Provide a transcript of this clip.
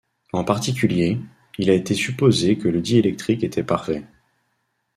En particulier, il a été supposé que le diélectrique était parfait.